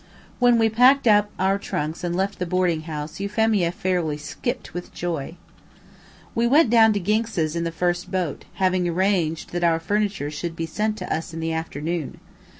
When we packed up our trunks and left the boarding house Euphemia fairly skipped with joy. We went down to Ginx's in the first boat, having arranged that our furniture should be sent to us in the afternoon.